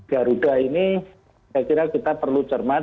garuda ini saya kira kita perlu cermat